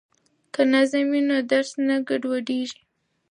که نظم وي نو درس نه ګډوډیږي.